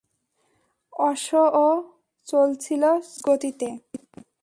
অশও চলছিল শ্লথ গতিতে।